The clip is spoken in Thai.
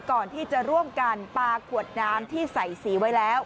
ก่อนที่จะร่วมกันปลาขวดน้ำที่ใส่สีไว้แล้ว